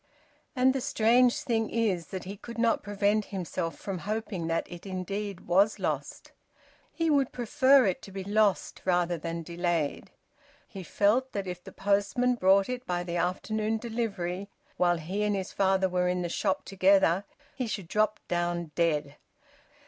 And the strange thing is that he could not prevent himself from hoping that it indeed was lost. He would prefer it to be lost rather than delayed. He felt that if the postman brought it by the afternoon delivery while he and his father were in the shop together, he should drop down dead.